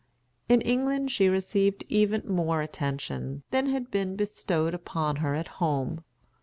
In England she received even more attention than had been bestowed upon her at home.